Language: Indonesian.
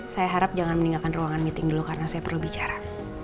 saya harap jangan meninggalkan ruangan meeting dulu karena saya perlu bicara